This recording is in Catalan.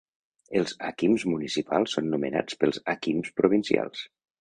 Els akims municipals són nomenats pels akims provincials.